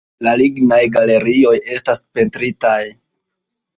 La lignaj galerioj estas pentritaj.